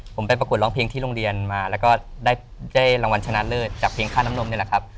ผมไปประกวดร้องเพลงที่โรงเรียนมาแล้วก็ได้รางวัลชนะเลิศจากเพลงค่าน้ำนมนี่แหละครับ